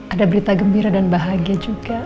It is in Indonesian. ada berita gembira dan bahagia juga